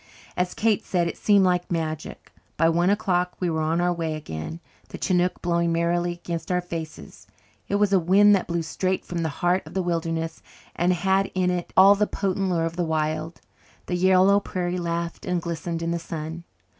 As Kate said, it seemed like magic. By one o'clock we were on our way again, the chinook blowing merrily against our faces. It was a wind that blew straight from the heart of the wilderness and had in it all the potent lure of the wild. The yellow prairie laughed and glistened in the sun.